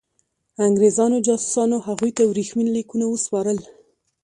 انګرېزانو جاسوسانو هغوی ته ورېښمین لیکونه وسپارل.